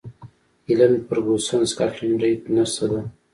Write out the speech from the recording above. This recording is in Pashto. هیلن فرګوسن سکاټلنډۍ نرسه ده.